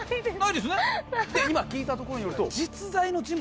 今聞いたところによると実在の人物